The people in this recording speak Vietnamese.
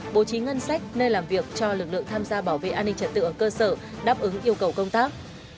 bố trí ngân sách nơi làm việc cho lực lượng tham gia bảo vệ an ninh trật tự ở cơ sở đáp ứng yêu cầu công tác